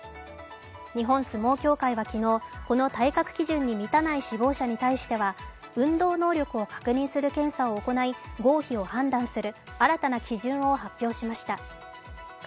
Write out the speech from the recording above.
日本相撲協会は昨日、この体格基準に満たない志望者に対しては運動能力を確認する検査を行い合否を判断する新たな基準を発表しました。